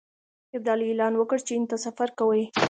ابدالي اعلان وکړ چې هند ته سفر کوي.